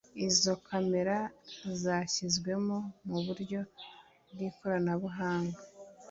izo camera zashyizwemo mu buryo bw’ikoranabuhanga.